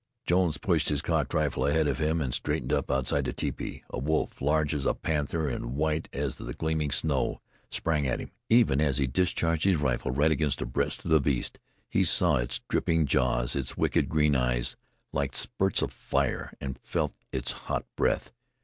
Jones pushed his cocked rifle ahead of him and straightened up outside the tepee. A wolf, large as a panther and white as the gleaming snow, sprang at him. Even as he discharged his rifle, right against the breast of the beast, he saw its dripping jaws, its wicked green eyes, like spurts of fire and felt its hot breath.